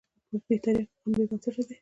بې تاریخه قوم بې بنسټه دی.